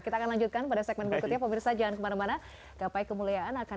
kita akan lanjutkan pada segmen berikutnya